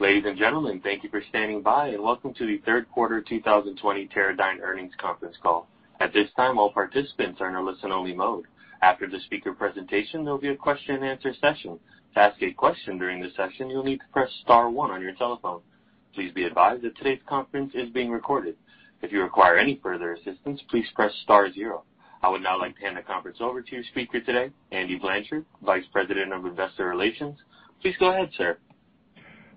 Ladies and gentlemen, thank you for standing by, and welcome to the third quarter 2020 Teradyne earnings conference call. I would now like to hand the conference over to your speaker today, Andy Blanchard, Vice President of Investor Relations. Please go ahead, sir.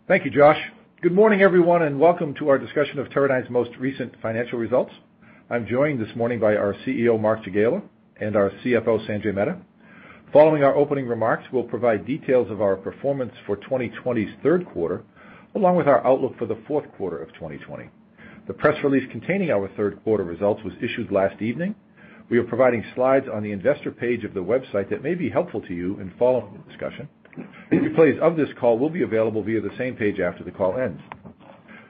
Thank you, Josh. Good morning, everyone, and welcome to our discussion of Teradyne's most recent financial results. I'm joined this morning by our CEO, Mark Jagiela, and our CFO, Sanjay Mehta. Following our opening remarks, we'll provide details of our performance for 2020's third quarter, along with our outlook for the fourth quarter of 2020. The press release containing our third quarter results was issued last evening. We are providing slides on the investor page of the website that may be helpful to you in following the discussion. A replay of this call will be available via the same page after the call ends.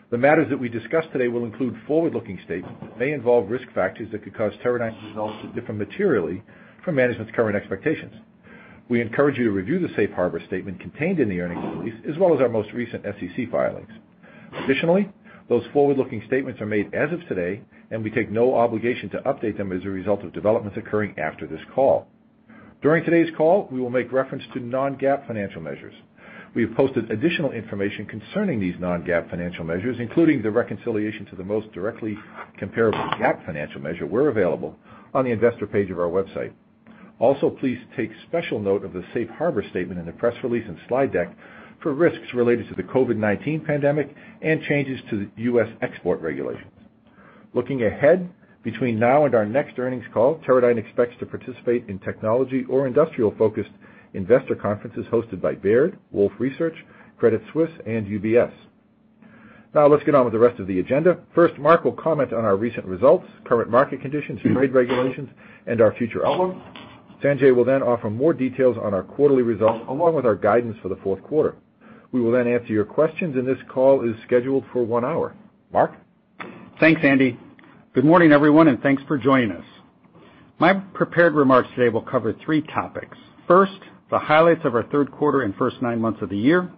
The matters that we discuss today will include forward-looking statements that may involve risk factors that could cause Teradyne's results to differ materially from management's current expectations. We encourage you to review the safe harbor statement contained in the earnings release, as well as our most recent SEC filings. Those forward-looking statements are made as of today, and we take no obligation to update them as a result of developments occurring after this call. During today's call, we will make reference to non-GAAP financial measures. We have posted additional information concerning these non-GAAP financial measures, including the reconciliation to the most directly comparable GAAP financial measure, where available on the investor page of our website. Also, please take special note of the safe harbor statement in the press release and slide deck for risks related to the COVID-19 pandemic and changes to U.S. export regulations. Looking ahead, between now and our next earnings call, Teradyne expects to participate in technology or industrial-focused investor conferences hosted by Baird, Wolfe Research, Credit Suisse, and UBS. Now let's get on with the rest of the agenda. First, Mark will comment on our recent results, current market conditions, new trade regulations, and our future outlook. Sanjay will then offer more details on our quarterly results, along with our guidance for the fourth quarter. We will then answer your questions, and this call is scheduled for one hour. Mark? Thanks, Andy. Good morning, everyone, and thanks for joining us. My prepared remarks today will cover three topics. First, the highlights of our third quarter and first nine months of the year.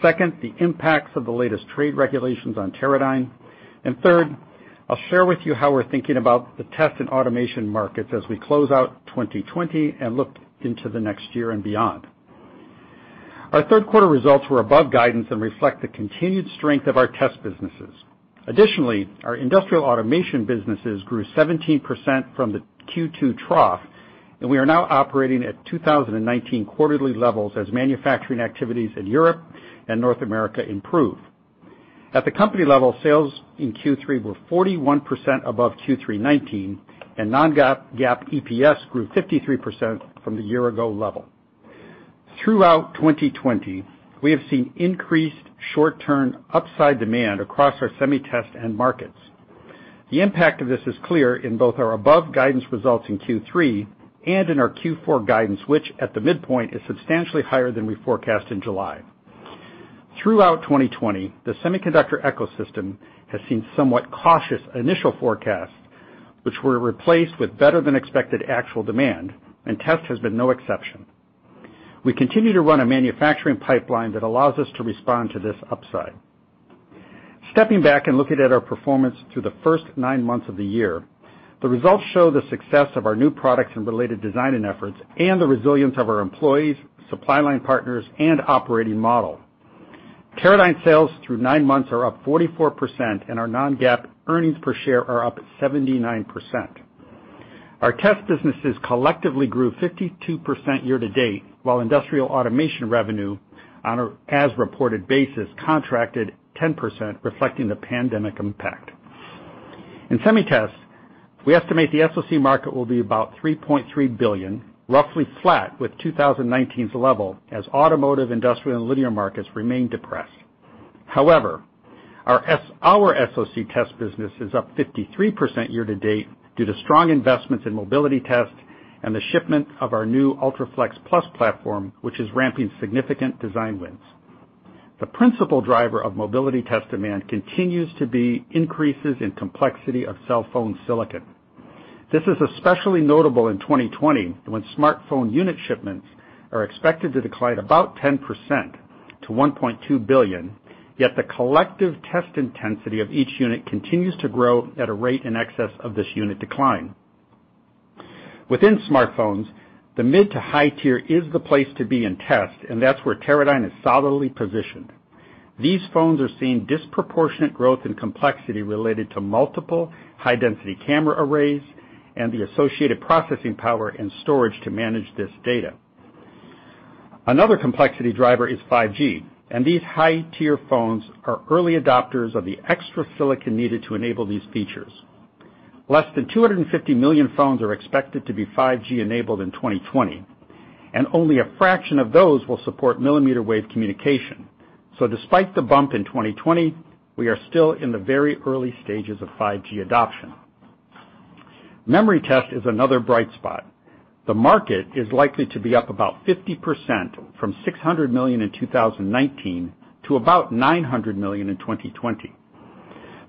Second, the impacts of the latest trade regulations on Teradyne. Third, I'll share with you how we're thinking about the test and automation markets as we close out 2020 and look into the next year and beyond. Our third quarter results were above guidance and reflect the continued strength of our test businesses. Additionally, our industrial automation businesses grew 17% from the Q2 trough, and we are now operating at 2019 quarterly levels as manufacturing activities in Europe and North America improve. At the company level, sales in Q3 were 41% above Q3 2019, and non-GAAP EPS grew 53% from the year-ago level. Throughout 2020, we have seen increased short-term upside demand across our SemiTest end markets. The impact of this is clear in both our above guidance results in Q3 and in our Q4 guidance, which at the midpoint, is substantially higher than we forecast in July. Throughout 2020, the semiconductor ecosystem has seen somewhat cautious initial forecasts, which were replaced with better than expected actual demand, and test has been no exception. We continue to run a manufacturing pipeline that allows us to respond to this upside. Stepping back and looking at our performance through the first nine months of the year, the results show the success of our new products and related designing efforts and the resilience of our employees, supply line partners, and operating model. Teradyne sales through nine months are up 44%, and our non-GAAP earnings per share are up 79%. Our test businesses collectively grew 52% year-to-date, while industrial automation revenue on an as-reported basis contracted 10%, reflecting the pandemic impact. In SemiTest, we estimate the SoC market will be about $3.3 billion, roughly flat with 2019's level, as automotive, industrial, and linear markets remain depressed. Our SoC test business is up 53% year-to-date due to strong investments in mobility test and the shipment of our new UltraFLEXplus platform, which is ramping significant design wins. The principal driver of mobility test demand continues to be increases in complexity of cell phone silicon. This is especially notable in 2020, when smartphone unit shipments are expected to decline about 10% to $1.2 billion, yet the collective test intensity of each unit continues to grow at a rate in excess of this unit decline. Within smartphones, the mid to high tier is the place to be in test, that's where Teradyne is solidly positioned. These phones are seeing disproportionate growth in complexity related to multiple high-density camera arrays and the associated processing power and storage to manage this data. Another complexity driver is 5G, these high-tier phones are early adopters of the extra silicon needed to enable these features. Less than 250 million phones are expected to be 5G enabled in 2020, only a fraction of those will support millimeter wave communication. Despite the bump in 2020, we are still in the very early stages of 5G adoption. Memory test is another bright spot. The market is likely to be up about 50%, from $600 million in 2019 to about $900 million in 2020.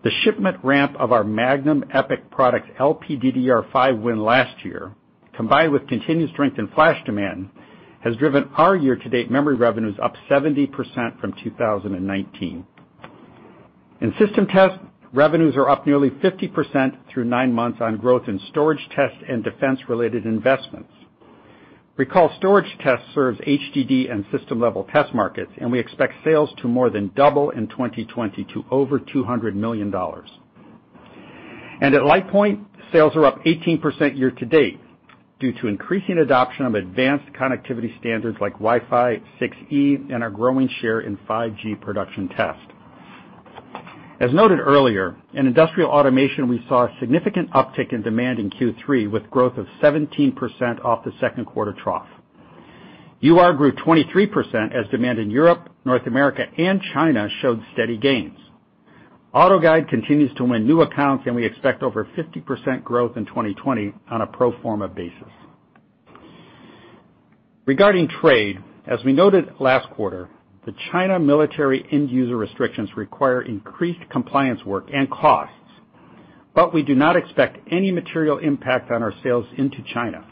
The shipment ramp of our Magnum EPIC product LPDDR5 win last year, combined with continued strength in flash demand, has driven our year-to-date memory revenues up 70% from 2019. In system test, revenues are up nearly 50% through nine months on growth in storage test and defense-related investments. Recall storage test serves HDD and system-level test markets, and we expect sales to more than double in 2020 to over $200 million. At LitePoint, sales are up 18% year-to-date due to increasing adoption of advanced connectivity standards like Wi-Fi 6E and our growing share in 5G production test. As noted earlier, in industrial automation, we saw a significant uptick in demand in Q3, with growth of 17% off the second quarter trough. UR grew 23% as demand in Europe, North America, and China showed steady gains. AutoGuide continues to win new accounts. We expect over 50% growth in 2020 on a pro forma basis. Regarding trade, as we noted last quarter, the China military end-user restrictions require increased compliance work and costs. We do not expect any material impact on our sales into China.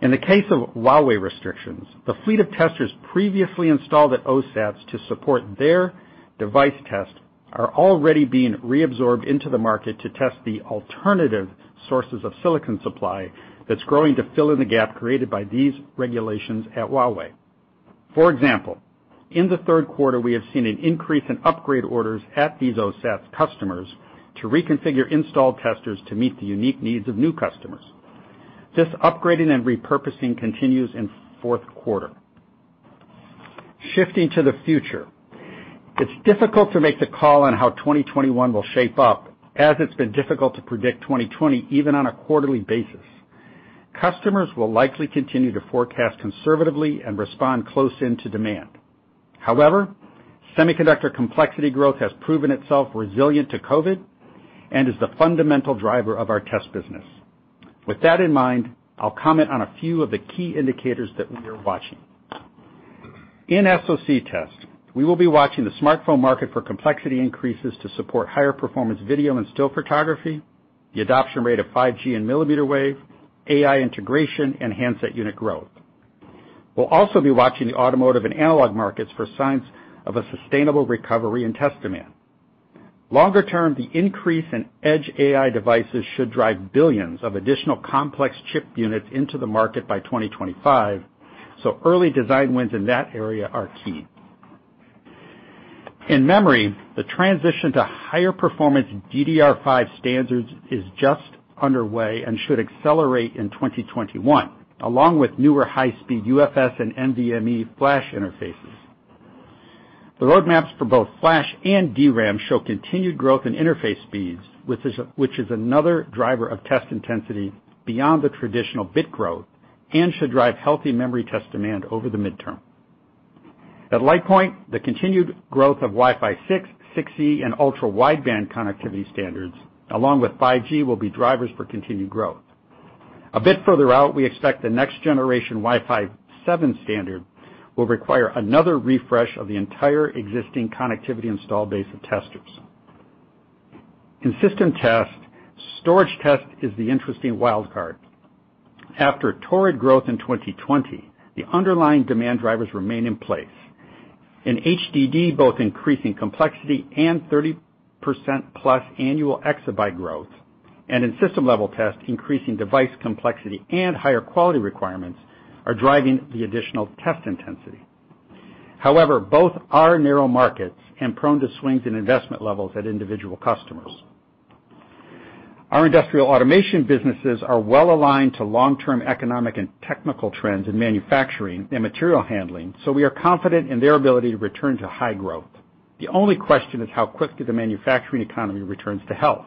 In the case of Huawei restrictions, the fleet of testers previously installed at OSATs to support their device test are already being reabsorbed into the market to test the alternative sources of silicon supply that's growing to fill in the gap created by these regulations at Huawei. For example, in the third quarter, we have seen an increase in upgrade orders at these OSAT customers to reconfigure installed testers to meet the unique needs of new customers. This upgrading and repurposing continues in fourth quarter. Shifting to the future, it's difficult to make the call on how 2021 will shape up, as it's been difficult to predict 2020, even on a quarterly basis. Customers will likely continue to forecast conservatively and respond close in to demand. However, semiconductor complexity growth has proven itself resilient to COVID and is the fundamental driver of our test business. With that in mind, I'll comment on a few of the key indicators that we are watching. In SoC test, we will be watching the smartphone market for complexity increases to support higher performance video and still photography, the adoption rate of 5G and millimeter wave, AI integration, and handset unit growth. We'll also be watching the automotive and analog markets for signs of a sustainable recovery in test demand. Longer term, the increase in edge AI devices should drive billions of additional complex chip units into the market by 2025, so early design wins in that area are key. In memory, the transition to higher performance DDR5 standards is just underway and should accelerate in 2021, along with newer high-speed UFS and NVMe flash interfaces. The roadmaps for both flash and DRAM show continued growth in interface speeds, which is another driver of test intensity beyond the traditional bit growth and should drive healthy memory test demand over the midterm. At LitePoint, the continued growth of Wi-Fi 6, 6E, and ultra-wideband connectivity standards, along with 5G, will be drivers for continued growth. A bit further out, we expect the next generation Wi-Fi 7 standard will require another refresh of the entire existing connectivity install base of testers. In system test, storage test is the interesting wild card. After a torrid growth in 2020, the underlying demand drivers remain in place. In HDD, both increasing complexity and 30%+ annual exabyte growth, and in system-level test, increasing device complexity and higher quality requirements are driving the additional test intensity. Both are narrow markets and prone to swings in investment levels at individual customers. Our industrial automation businesses are well-aligned to long-term economic and technical trends in manufacturing and material handling, we are confident in their ability to return to high growth. The only question is how quickly the manufacturing economy returns to health.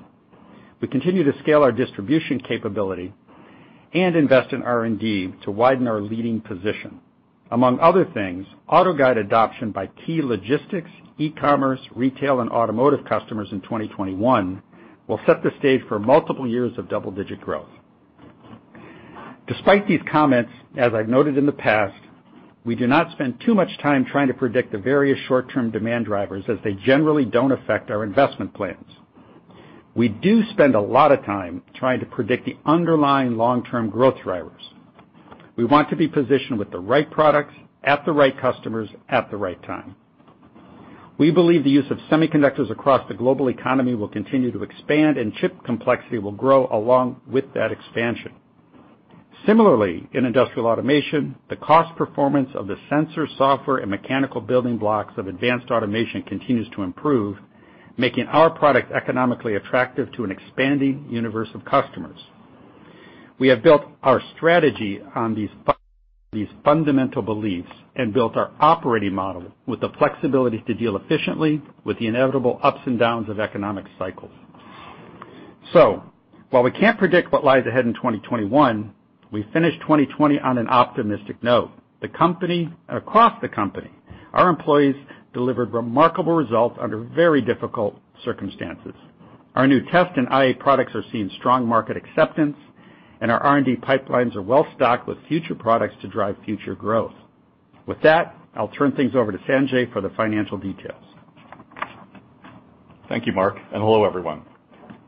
We continue to scale our distribution capability and invest in R&D to widen our leading position. Among other things, AutoGuide adoption by key logistics, e-commerce, retail, and automotive customers in 2021 will set the stage for multiple years of double-digit growth. Despite these comments, as I've noted in the past, we do not spend too much time trying to predict the various short-term demand drivers, as they generally don't affect our investment plans. We do spend a lot of time trying to predict the underlying long-term growth drivers. We want to be positioned with the right products at the right customers at the right time. We believe the use of semiconductors across the global economy will continue to expand, and chip complexity will grow along with that expansion. Similarly, in industrial automation, the cost performance of the sensor software and mechanical building blocks of advanced automation continues to improve, making our product economically attractive to an expanding universe of customers. We have built our strategy on these fundamental beliefs and built our operating model with the flexibility to deal efficiently with the inevitable ups and downs of economic cycles. While we can't predict what lies ahead in 2021, we finish 2020 on an optimistic note. Across the company, our employees delivered remarkable results under very difficult circumstances. Our new test and IA products are seeing strong market acceptance, and our R&D pipelines are well-stocked with future products to drive future growth. With that, I'll turn things over to Sanjay for the financial details. Thank you, Mark, and hello, everyone.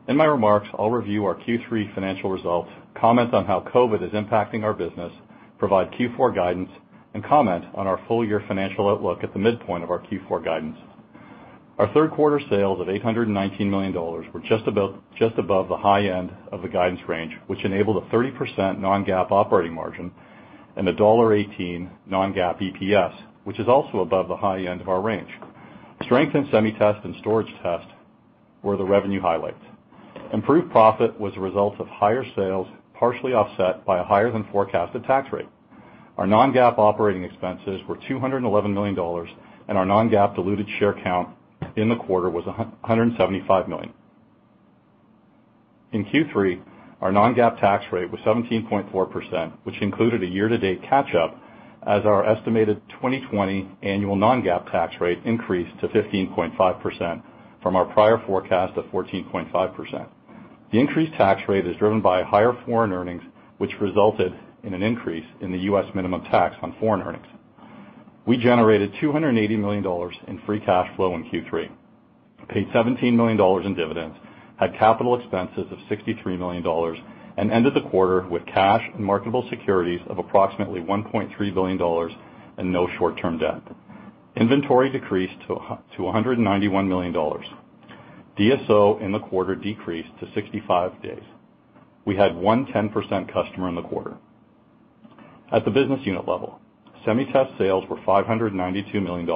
In my remarks, I'll review our Q3 financial results, comment on how COVID is impacting our business, provide Q4 guidance, and comment on our full year financial outlook at the midpoint of our Q4 guidance. Our third quarter sales of $819 million were just above the high end of the guidance range, which enabled a 30% non-GAAP operating margin and a $1.18 non-GAAP EPS, which is also above the high end of our range. Strength in SemiTest and Storage Test were the revenue highlights. Improved profit was a result of higher sales, partially offset by a higher than forecasted tax rate. Our non-GAAP operating expenses were $211 million, and our non-GAAP diluted share count in the quarter was 175 million. In Q3, our non-GAAP tax rate was 17.4%, which included a year-to-date catch-up as our estimated 2020 annual non-GAAP tax rate increased to 15.5% from our prior forecast of 14.5%. The increased tax rate is driven by higher foreign earnings, which resulted in an increase in the U.S. minimum tax on foreign earnings. We generated $280 million in free cash flow in Q3, paid $17 million in dividends, had capital expenses of $63 million, and ended the quarter with cash and marketable securities of approximately $1.3 billion and no short-term debt. Inventory decreased to $191 million. DSO in the quarter decreased to 65 days. We had one 10% customer in the quarter. At the business unit level, SemiTest sales were $592 million,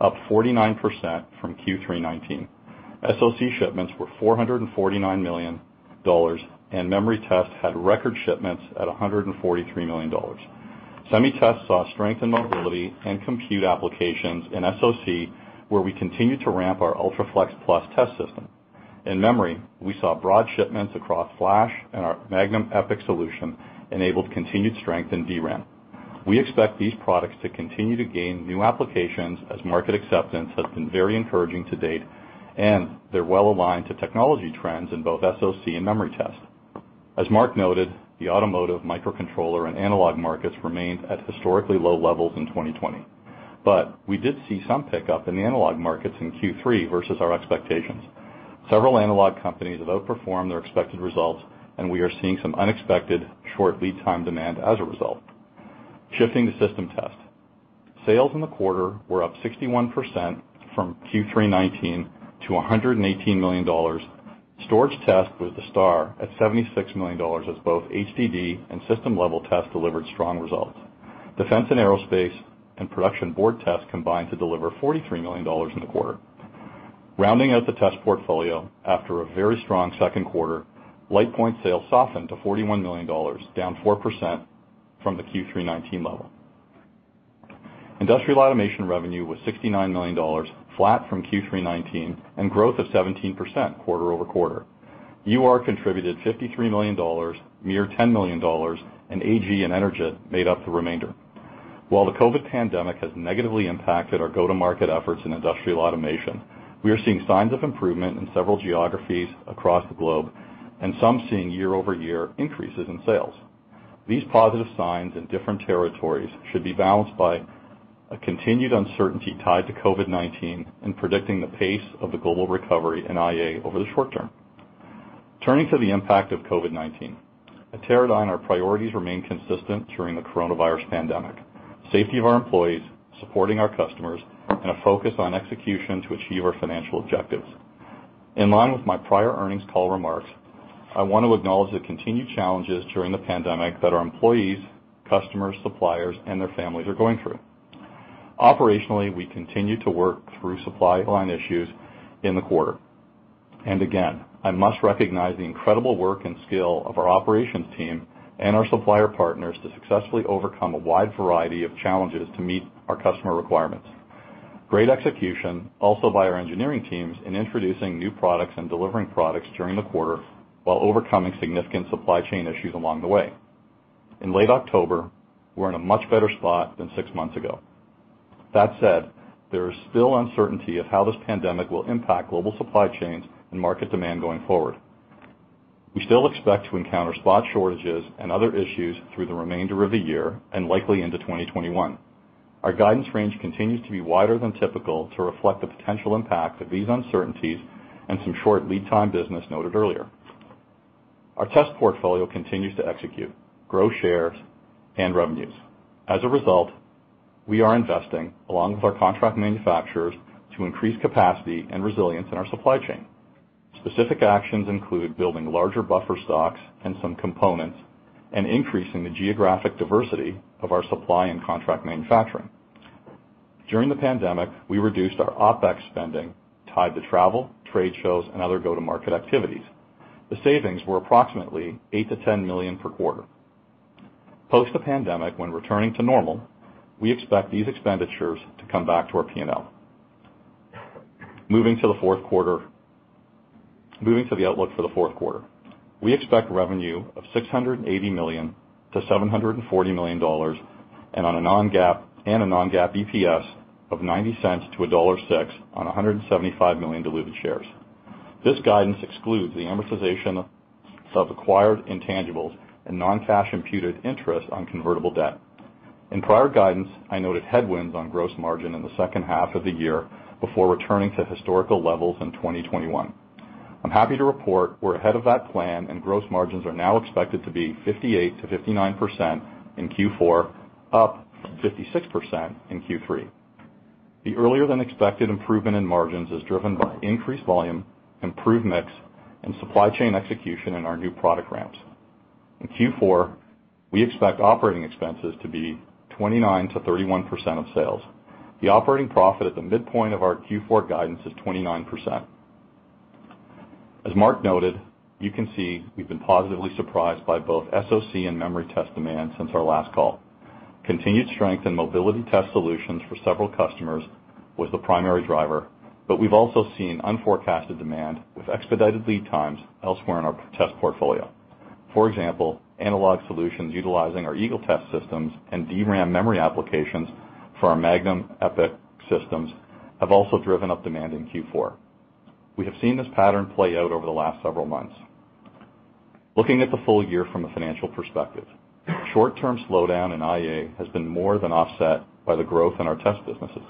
up 49% from Q3 2019. SoC shipments were $449 million, and Memory Test had record shipments at $143 million. SemiTest saw strength in mobility and compute applications in SoC, where we continued to ramp our UltraFLEXplus test system. In Memory, we saw broad shipments across flash, and our Magnum EPIC solution enabled continued strength in DRAM. We expect these products to continue to gain new applications as market acceptance has been very encouraging to date, and they're well-aligned to technology trends in both SoC and Memory Test. As Mark noted, the automotive microcontroller and analog markets remained at historically low levels in 2020. We did see some pickup in the analog markets in Q3 versus our expectations. Several analog companies have outperformed their expected results, and we are seeing some unexpected short lead time demand as a result. Shifting to System Test. Sales in the quarter were up 61% from Q3 2019 to $118 million. Storage Test was the star at $76 million, as both HDD and system-level test delivered strong results. Defense and Aerospace and Production Board Test combined to deliver $43 million in the quarter. Rounding out the test portfolio after a very strong second quarter, LitePoint sales softened to $41 million, down 4% from the Q3'19 level. Industrial automation revenue was $69 million, flat from Q3'19, and growth of 17% quarter-on-quarter. UR contributed $53 million, MiR $10 million, and AG and Energid made up the remainder. While the COVID pandemic has negatively impacted our go-to-market efforts in industrial automation, we are seeing signs of improvement in several geographies across the globe and some seeing year-over-year increases in sales. These positive signs in different territories should be balanced by a continued uncertainty tied to COVID-19 in predicting the pace of the global recovery in IA over the short term. Turning to the impact of COVID-19. At Teradyne, our priorities remain consistent during the coronavirus pandemic: safety of our employees, supporting our customers, and a focus on execution to achieve our financial objectives. In line with my prior earnings call remarks, I want to acknowledge the continued challenges during the pandemic that our employees, customers, suppliers, and their families are going through. Operationally, we continued to work through supply line issues in the quarter. Again, I must recognize the incredible work and skill of our operations team and our supplier partners to successfully overcome a wide variety of challenges to meet our customer requirements. Great execution also by our engineering teams in introducing new products and delivering products during the quarter while overcoming significant supply chain issues along the way. In late October, we're in a much better spot than six months ago. That said, there is still uncertainty of how this pandemic will impact global supply chains and market demand going forward. We still expect to encounter spot shortages and other issues through the remainder of the year and likely into 2021. Our guidance range continues to be wider than typical to reflect the potential impact of these uncertainties and some short lead time business noted earlier. Our test portfolio continues to execute, grow shares, and revenues. We are investing, along with our contract manufacturers, to increase capacity and resilience in our supply chain. Specific actions include building larger buffer stocks and some components and increasing the geographic diversity of our supply and contract manufacturing. During the pandemic, we reduced our OpEx spending tied to travel, trade shows, and other go-to-market activities. The savings were approximately $8 million-$10 million per quarter. Post the pandemic, when returning to normal, we expect these expenditures to come back to our P&L. Moving to the outlook for the fourth quarter. We expect revenue of $680 million-$740 million, and on a non-GAAP EPS of $0.90-$1.06 on 175 million diluted shares. This guidance excludes the amortization of acquired intangibles and non-cash imputed interest on convertible debt. In prior guidance, I noted headwinds on gross margin in the second half of the year before returning to historical levels in 2021. I'm happy to report we're ahead of that plan, and gross margins are now expected to be 58%-59% in Q4, up from 56% in Q3. The earlier than expected improvement in margins is driven by increased volume, improved mix, and supply chain execution in our new product ramps. In Q4, we expect operating expenses to be 29%-31% of sales. The operating profit at the midpoint of our Q4 guidance is 29%. As Mark noted, you can see we've been positively surprised by both SoC and memory test demand since our last call. Continued strength in mobility test solutions for several customers was the primary driver, but we've also seen unforecasted demand with expedited lead times elsewhere in our test portfolio. For example, analog solutions utilizing our Eagle Test Systems and DRAM memory applications for our Magnum EPIC systems have also driven up demand in Q4. We have seen this pattern play out over the last several months. Looking at the full year from a financial perspective, short-term slowdown in IA has been more than offset by the growth in our test businesses.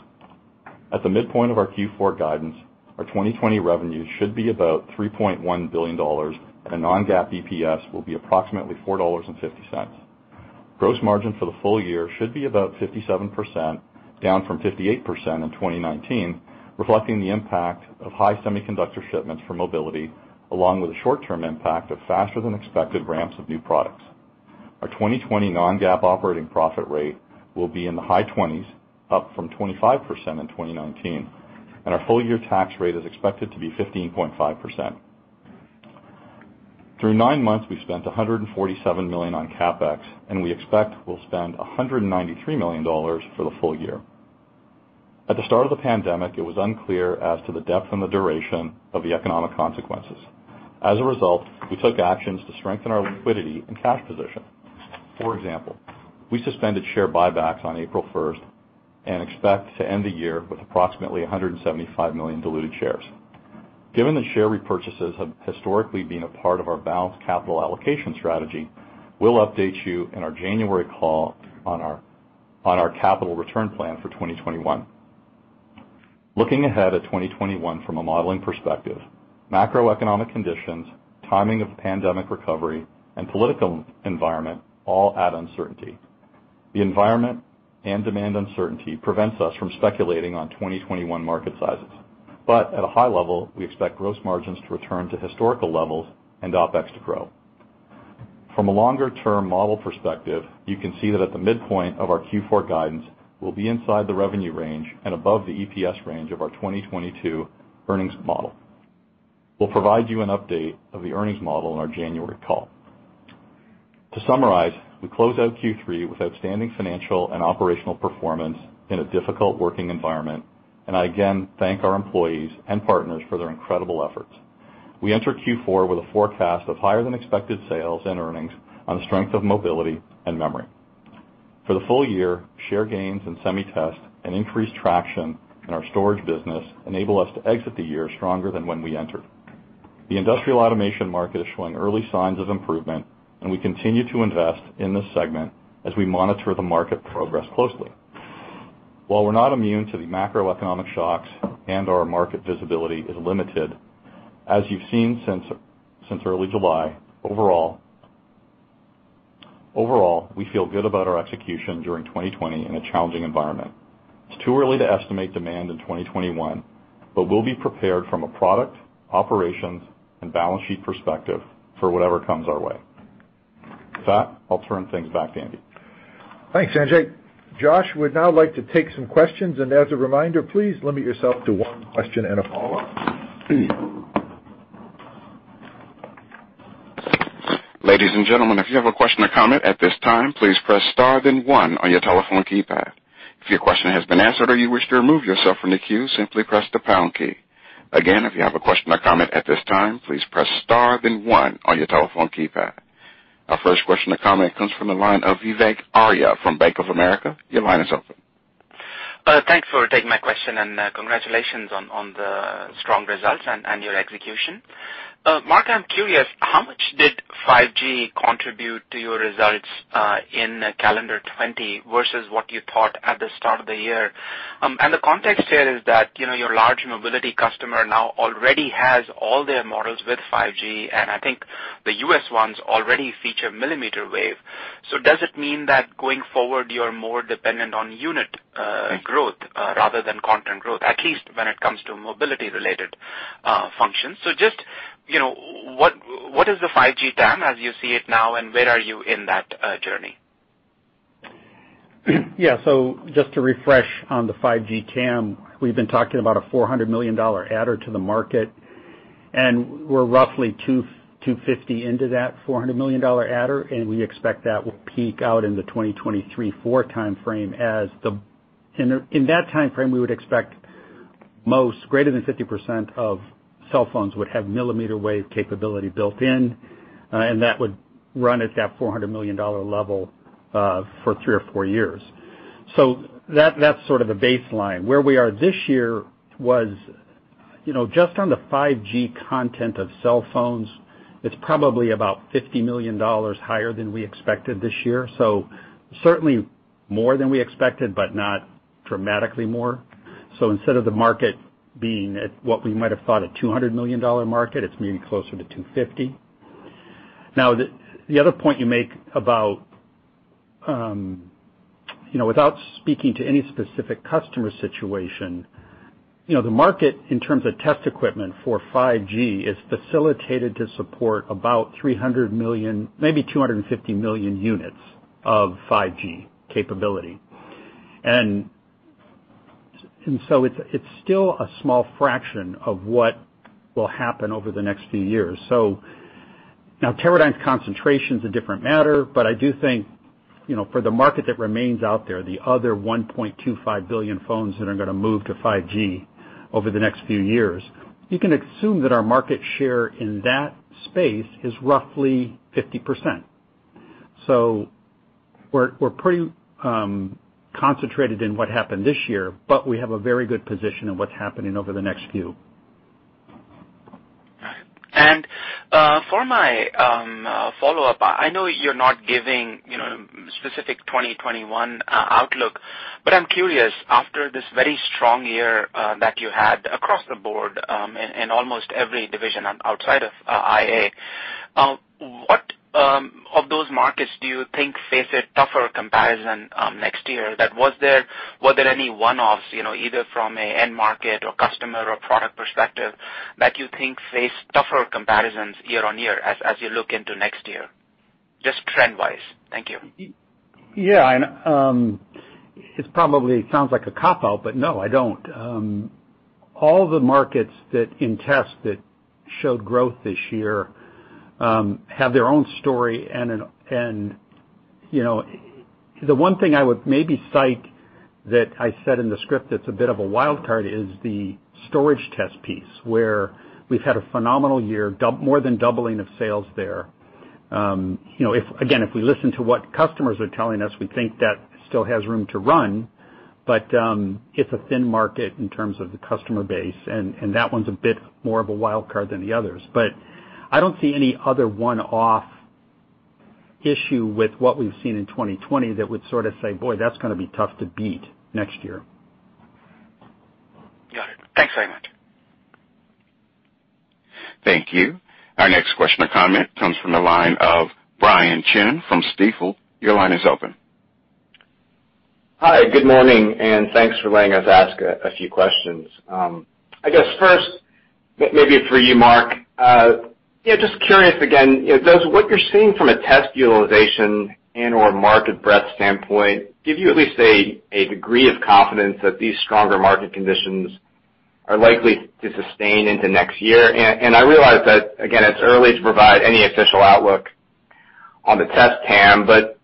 At the midpoint of our Q4 guidance, our 2020 revenue should be about $3.1 billion, and a non-GAAP EPS will be approximately $4.50. Gross margin for the full year should be about 57%, down from 58% in 2019, reflecting the impact of high semiconductor shipments for mobility, along with the short-term impact of faster than expected ramps of new products. Our 2020 non-GAAP operating profit rate will be in the high twenties, up from 25% in 2019, and our full-year tax rate is expected to be 15.5%. Through nine months, we've spent $147 million on CapEx, and we expect we'll spend $193 million for the full year. At the start of the pandemic, it was unclear as to the depth and the duration of the economic consequences. As a result, we took actions to strengthen our liquidity and cash position. For example, we suspended share buybacks on April 1st and expect to end the year with approximately 175 million diluted shares. Given that share repurchases have historically been a part of our balanced capital allocation strategy, we'll update you in our January call on our capital return plan for 2021. Looking ahead at 2021 from a modeling perspective, macroeconomic conditions, timing of pandemic recovery, and political environment all add uncertainty. The environment and demand uncertainty prevents us from speculating on 2021 market sizes. At a high level, we expect gross margins to return to historical levels and OpEx to grow. From a longer-term model perspective, you can see that at the midpoint of our Q4 guidance, we'll be inside the revenue range and above the EPS range of our 2022 earnings model. We'll provide you an update of the earnings model in our January call. To summarize, we close out Q3 with outstanding financial and operational performance in a difficult working environment, and I again thank our employees and partners for their incredible efforts. We enter Q4 with a forecast of higher than expected sales and earnings on the strength of mobility and memory. For the full year, share gains in SemiTest and increased traction in our storage business enable us to exit the year stronger than when we entered. The industrial automation market is showing early signs of improvement, and we continue to invest in this segment as we monitor the market progress closely. While we're not immune to the macroeconomic shocks and our market visibility is limited, as you've seen since early July, overall, we feel good about our execution during 2020 in a challenging environment. It's too early to estimate demand in 2021, but we'll be prepared from a product, operations, and balance sheet perspective for whatever comes our way. With that, I'll turn things back to Andy. Thanks, Sanjay. Josh would now like to take some questions, and as a reminder, please limit yourself to one question and a follow-up. Our first question or comment comes from the line of Vivek Arya from Bank of America. Your line is open. Thanks for taking my question, and congratulations on the strong results and your execution. Mark, I'm curious, how much did 5G contribute to your results in calendar 2020 versus what you thought at the start of the year? The context here is that your large mobility customer now already has all their models with 5G, and I think the U.S. ones already feature millimeter wave. Does it mean that going forward, you're more dependent on unit growth rather than content growth, at least when it comes to mobility-related functions? Just what is the 5G TAM as you see it now, and where are you in that journey? Yeah. Just to refresh on the 5G TAM, we've been talking about a $400 million adder to the market, and we're roughly $250 million into that $400 million adder, and we expect that will peak out in the 2023-2024 timeframe. In that timeframe, we would expect most greater than 50% of cell phones would have millimeter wave capability built in, and that would run at that $400 million level for three or four years. That's sort of a baseline. Where we are this year was just on the 5G content of cell phones, it's probably about $50 million higher than we expected this year. Certainly more than we expected, but not dramatically more. Instead of the market being at what we might have thought a $200 million market, it's maybe closer to $250 million. The other point you make about, without speaking to any specific customer situation, the market in terms of test equipment for 5G is facilitated to support about 300 million, maybe 250 million units of 5G capability. It's still a small fraction of what will happen over the next few years. Now Teradyne's concentration's a different matter, but I do think, for the market that remains out there, the other 1.25 billion phones that are going to move to 5G over the next few years, you can assume that our market share in that space is roughly 50%. We're pretty concentrated in what happened this year, but we have a very good position in what's happening over the next few. For my follow-up, I know you're not giving specific 2021 outlook, but I'm curious, after this very strong year that you had across the board in almost every division outside of IA, what of those markets do you think face a tougher comparison next year? Were there any one-offs, either from an end market or customer or product perspective, that you think face tougher comparisons year-on-year as you look into next year? Just trend wise. Thank you. Yeah. It probably sounds like a cop-out, but no, I don't. All the markets in tests that showed growth this year, have their own story, and the one thing I would maybe cite that I said in the script that's a bit of a wildcard is the storage test piece, where we've had a phenomenal year, more than doubling of sales there. Again, if we listen to what customers are telling us, we think that still has room to run, but it's a thin market in terms of the customer base, and that one's a bit more of a wildcard than the others. I don't see any other one-off issue with what we've seen in 2020 that would sort of say, "Boy, that's going to be tough to beat next year. Got it. Thanks very much. Thank you. Our next question or comment comes from the line of Brian Chin from Stifel. Your line is open. Hi, good morning, and thanks for letting us ask a few questions. I guess first, maybe for you, Mark, just curious again, does what you're seeing from a test utilization and/or market breadth standpoint give you at least a degree of confidence that these stronger market conditions are likely to sustain into next year? I realize that, again, it's early to provide any official outlook on the test TAM, but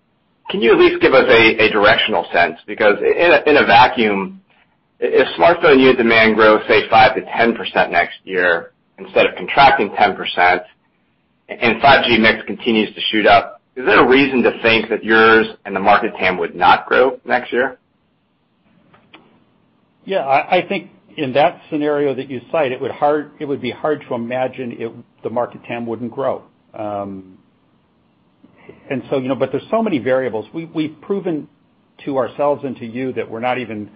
can you at least give us a directional sense? In a vacuum, if smartphone unit demand grows, say, 5%-10% next year instead of contracting 10%, and 5G mix continues to shoot up, is there a reason to think that yours and the market TAM would not grow next year? Yeah, I think in that scenario that you cite, it would be hard to imagine the market TAM wouldn't grow. There's so many variables. We've proven to ourselves and to you that we're not even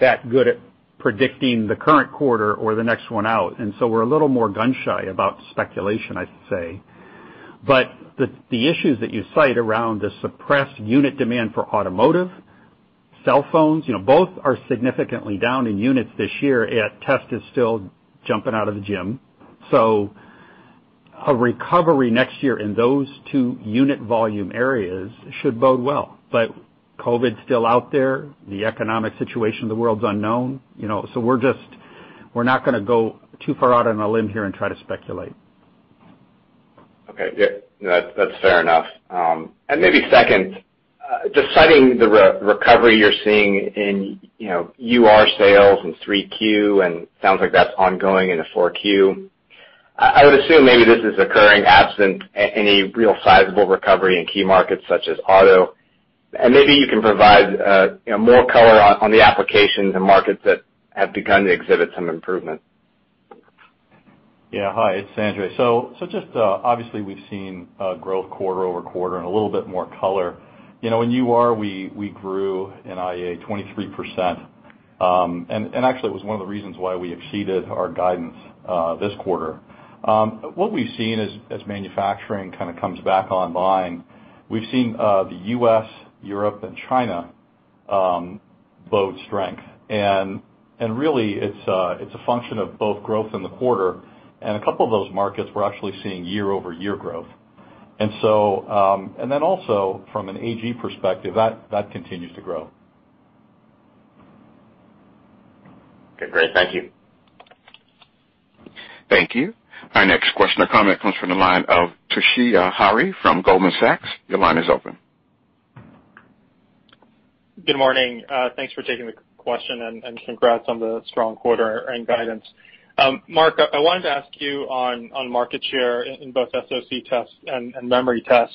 that good at predicting the current quarter or the next one out, we're a little more gun-shy about speculation, I'd say. The issues that you cite around the suppressed unit demand for automotive, cell phones, both are significantly down in units this year, yet test is still jumping out of the gym. A recovery next year in those two unit volume areas should bode well. COVID's still out there. The economic situation of the world's unknown. We're not gonna go too far out on a limb here and try to speculate. Okay. Yeah, that's fair enough. Maybe second, just citing the recovery you're seeing in UR sales in 3Q, and sounds like that's ongoing into 4Q. I would assume maybe this is occurring absent any real sizable recovery in key markets such as auto. Maybe you can provide more color on the applications and markets that have begun to exhibit some improvement. Hi, it's Sanjay. Obviously, we've seen growth quarter-over-quarter and a little bit more color. In UR, we grew in IA 23%, and actually, it was one of the reasons why we exceeded our guidance this quarter. What we've seen as manufacturing kind of comes back online, we've seen the U.S., Europe, and China bode strength. Really it's a function of both growth in the quarter, and a couple of those markets we're actually seeing year-over-year growth. Then also from an AG perspective, that continues to grow. Okay, great. Thank you. Thank you. Our next question or comment comes from the line of Toshiya Hari from Goldman Sachs. Your line is open. Good morning. Thanks for taking the question. Congrats on the strong quarter and guidance. Mark, I wanted to ask you on market share in both SoC tests and memory tests.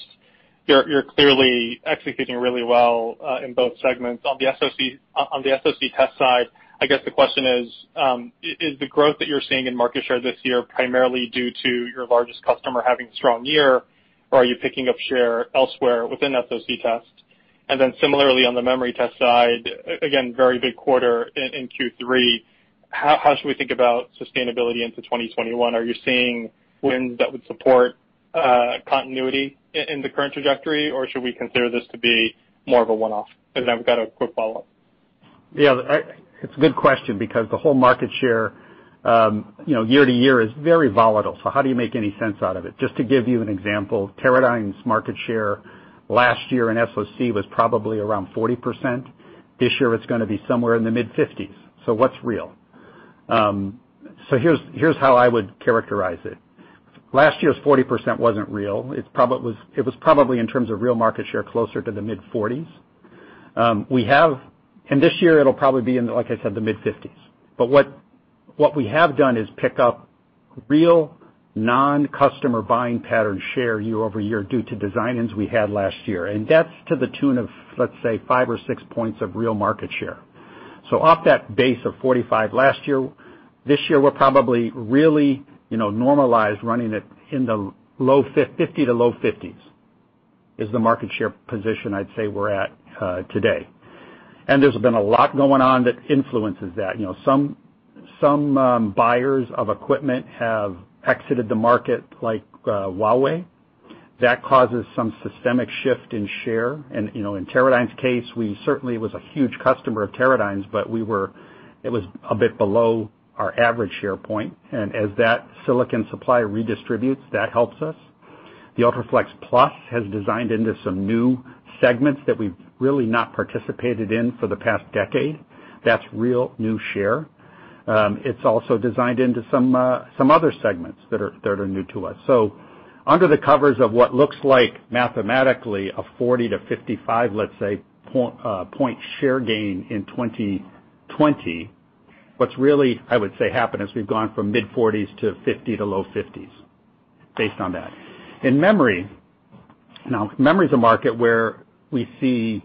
You're clearly executing really well in both segments. On the SoC test side, I guess the question is the growth that you're seeing in market share this year primarily due to your largest customer having a strong year, or are you picking up share elsewhere within SoC test? Similarly on the memory test side, again, very big quarter in Q3. How should we think about sustainability into 2021? Are you seeing wins that would support continuity in the current trajectory, or should we consider this to be more of a one-off? I've got a quick follow-up. It's a good question because the whole market share year-to-year is very volatile, so how do you make any sense out of it? Just to give you an example, Teradyne's market share last year in SoC was probably around 40%. This year, it's going to be somewhere in the mid-50s. What's real? Here's how I would characterize it. Last year's 40% wasn't real. It was probably, in terms of real market share, closer to the mid-40s. This year, it'll probably be in, like I said, the mid-50s. What we have done is pick up real non-customer buying pattern share year-over-year due to design-ins we had last year. That's to the tune of, let's say, five or six points of real market share. Off that base of 45 last year, this year, we're probably really normalized, running it in the 50 to low 50s, is the market share position I'd say we're at today. There's been a lot going on that influences that. Some buyers of equipment have exited the market, like Huawei. That causes some systemic shift in share. In Teradyne's case, we certainly was a huge customer of Teradyne's, but it was a bit below our average share point. As that silicon supply redistributes, that helps us. The UltraFLEXplus has designed into some new segments that we've really not participated in for the past decade. That's real new share. It's also designed into some other segments that are new to us. Under the covers of what looks like mathematically a 40-55, let's say, point share gain in 2020, what's really, I would say, happened is we've gone from mid-40s to 50 to low 50s based on that. In memory. Memory's a market where we see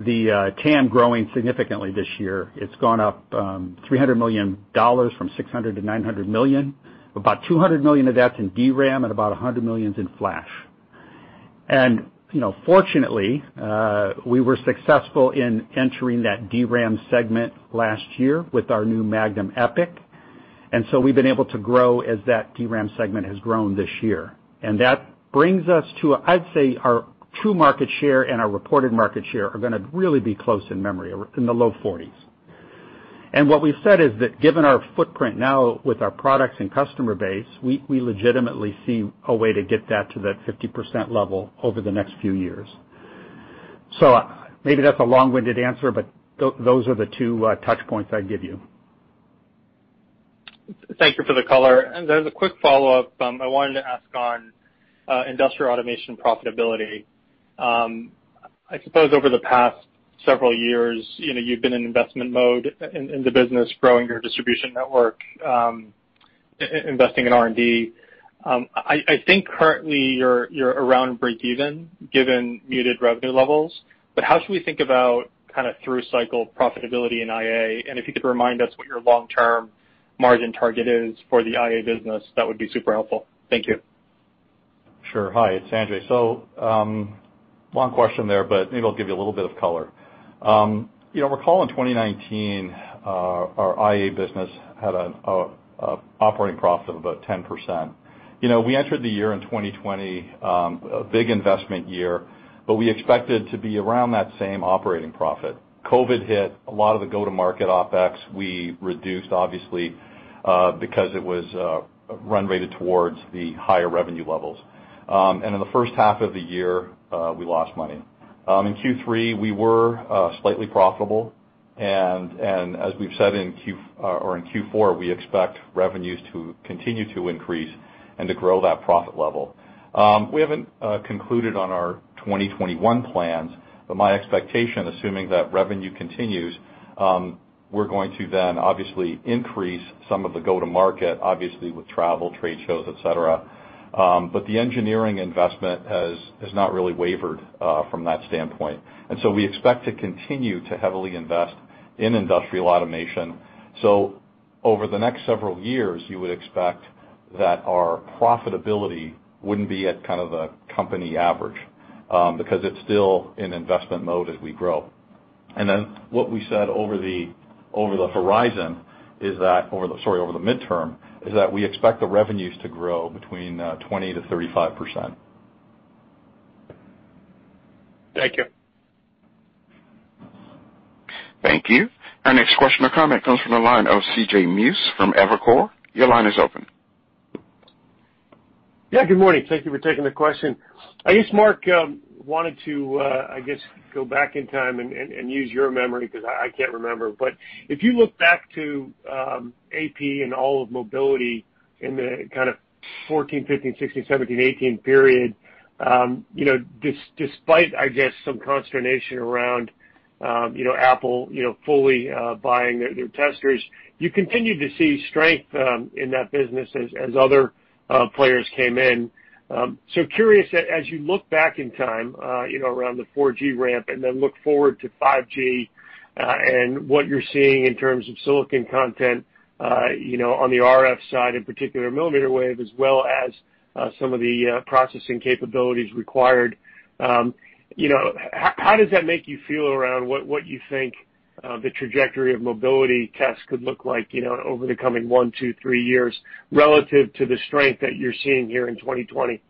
the TAM growing significantly this year. It's gone up $300 million from $600 million-$900 million. About $200 million of that's in DRAM and about $100 million's in flash. Fortunately, we were successful in entering that DRAM segment last year with our new Magnum EPIC, we've been able to grow as that DRAM segment has grown this year. That brings us to, I'd say, our true market share and our reported market share are going to really be close in memory, in the low 40s. What we've said is that given our footprint now with our products and customer base, we legitimately see a way to get that to that 50% level over the next few years. Maybe that's a long-winded answer, but those are the two touch points I'd give you. Thank you for the color. As a quick follow-up, I wanted to ask on Industrial Automation profitability. I suppose over the past several years, you've been in investment mode in the business, growing your distribution network, investing in R&D. I think currently, you're around breakeven given muted revenue levels. How should we think about kind of through-cycle profitability in IA? If you could remind us what your long-term margin target is for the IA business, that would be super helpful. Thank you. Sure. Hi, it's Sanjay. Long question there, but maybe I'll give you a little bit of color. Recall in 2019, our IA business had an operating profit of about 10%. We entered the year in 2020, a big investment year, but we expected to be around that same operating profit. COVID hit, a lot of the go-to-market OpEx we reduced, obviously, because it was run rated towards the higher revenue levels. In the first half of the year, we lost money. In Q3, we were slightly profitable, and as we've said in Q4, we expect revenues to continue to increase and to grow that profit level. We haven't concluded on our 2021 plans, but my expectation, assuming that revenue continues, we're going to then obviously increase some of the go-to-market, obviously with travel, trade shows, et cetera. The engineering investment has not really wavered from that standpoint. We expect to continue to heavily invest in industrial automation. Over the next several years, you would expect that our profitability wouldn't be at kind of a company average, because it's still in investment mode as we grow. What we said over the midterm, is that we expect the revenues to grow between 20%-35%. Thank you. Thank you. Our next question or comment comes from the line of CJ Muse from Evercore. Your line is open. Yeah, good morning. Thank you for taking the question. Mark, wanted to go back in time and use your memory because I can't remember. If you look back to AP and all of mobility in the kind of 2014, 2015, 2016, 2017, 2018 period, despite some consternation around Apple fully buying their testers, you continued to see strength in that business as other players came in. Curious that as you look back in time around the 4G ramp and then look forward to 5G and what you're seeing in terms of silicon content on the RF side, in particular millimeter wave, as well as some of the processing capabilities required? How does that make you feel around what you think the trajectory of mobility tests could look like over the coming one, two, three years relative to the strength that you're seeing here in 2020?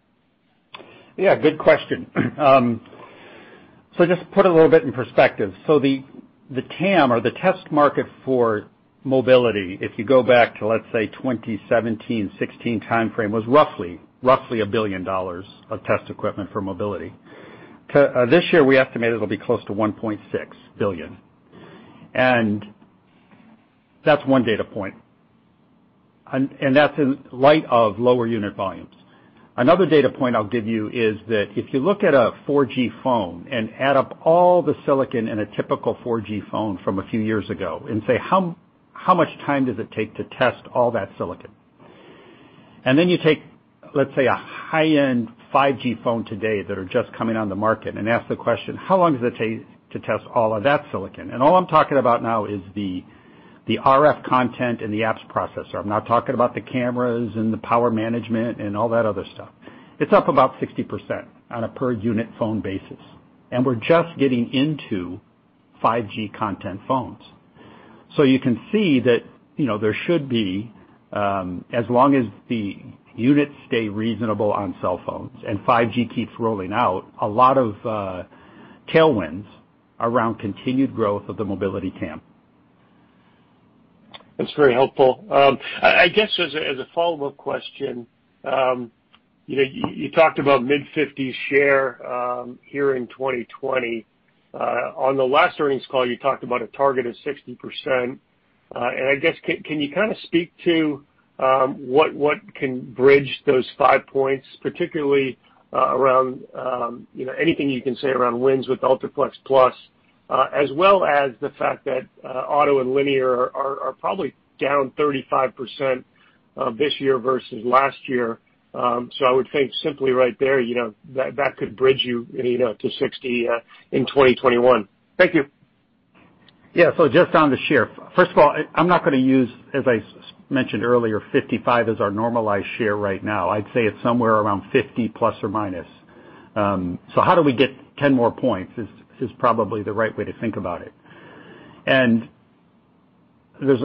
Yeah, good question. Just put a little bit in perspective. The TAM or the test market for mobility, if you go back to, let's say, 2017, 2016 timeframe, was roughly $1 billion of test equipment for mobility. This year, we estimate it'll be close to $1.6 billion. That's one data point, and that's in light of lower unit volumes. Another data point I'll give you is that if you look at a 4G phone and add up all the silicon in a typical 4G phone from a few years ago and say, how much time does it take to test all that silicon? You take, let's say, a high-end 5G phone today that are just coming on the market and ask the question, how long does it take to test all of that silicon? All I'm talking about now is the RF content and the apps processor. I'm not talking about the cameras and the power management and all that other stuff. It's up about 60% on a per-unit phone basis. We're just getting into 5G content phones. You can see that there should be, as long as the units stay reasonable on cell phones and 5G keeps rolling out, a lot of tailwinds around continued growth of the mobility TAM. That's very helpful. I guess as a follow-up question, you talked about mid-50s share here in 2020. On the last earnings call, you talked about a target of 60%. I guess, can you kind of speak to what can bridge those five points, particularly around anything you can say around wins with UltraFLEXplus, as well as the fact that auto and linear are probably down 35% this year versus last year. I would think simply right there, that could bridge you to 60 in 2021. Thank you. Yeah. Just on the share. First of all, I'm not going to use, as I mentioned earlier, 55 as our normalized share right now. I'd say it's somewhere around 50±. How do we get 10 more points is probably the right way to think about it. There's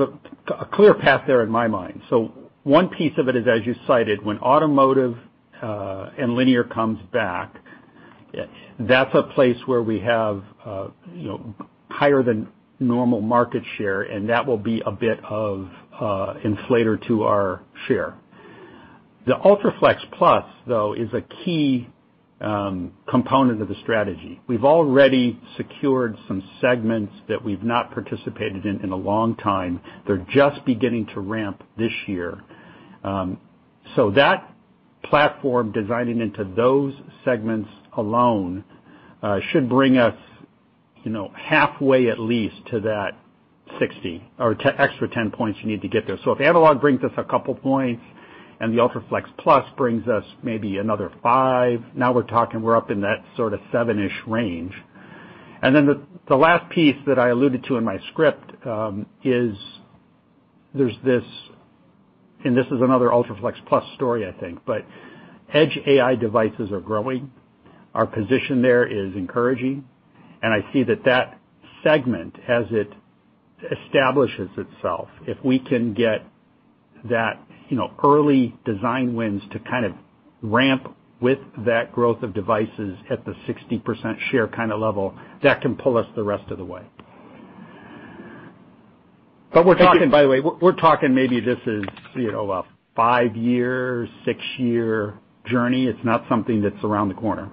a clear path there in my mind. One piece of it is, as you cited, when automotive and linear comes back, that's a place where we have higher than normal market share, and that will be a bit of inflator to our share. The UltraFLEXplus, though, is a key component of the strategy. We've already secured some segments that we've not participated in in a long time. They're just beginning to ramp this year. That platform designing into those segments alone should bring us halfway at least to that 60 or extra 10 points you need to get there. If analog brings us a couple points and the UltraFLEXplus brings us maybe another five, now we're talking we're up in that sort of seven-ish range. The last piece that I alluded to in my script is, and this is another UltraFLEXplus story, I think, but edge AI devices are growing. Our position there is encouraging, and I see that that segment, as it establishes itself, if we can get that early design wins to kind of ramp with that growth of devices at the 60% share kind of level, that can pull us the rest of the way. By the way, we're talking maybe this is a five-year, six-year journey. It's not something that's around the corner.